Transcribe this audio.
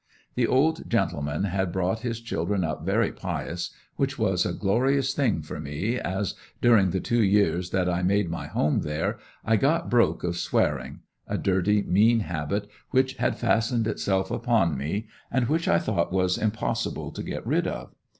The old gentleman had brought his children up very pious, which was a glorious thing for me as, during the two years that I made my home there, I got broke of swearing a dirty, mean habit which had fastened itself upon me, and which I thought was impossible to get rid of.